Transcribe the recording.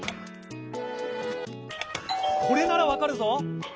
「これならわかるぞ！」。